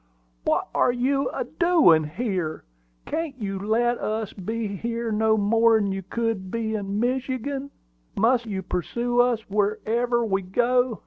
"What are you a doin' here? Can't you let us be here no more'n you could in Michigan? Must you pursue us wherever we go?"